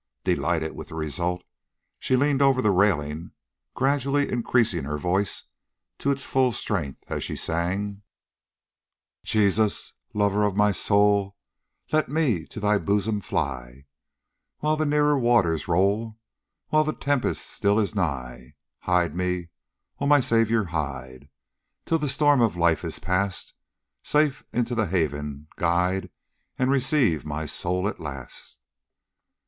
Delighted with the result, she leaned over the railing, gradually increasing her voice to its full strength as she sang: "Jesus, Lover of my soul, Let me to Thy bosom fly, While the nearer waters roll, While the tempest still is nigh. Hide me, O my Saviour, hide, Till the storm of life is past; Safe into the haven guide And receive my soul at last."